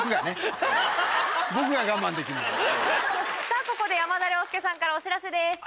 さぁここで山田涼介さんからお知らせです。